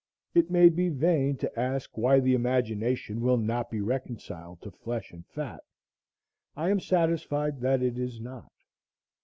It may be vain to ask why the imagination will not be reconciled to flesh and fat. I am satisfied that it is not.